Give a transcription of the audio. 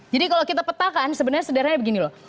jadi kalau kita petakan sebenarnya sederhana begini loh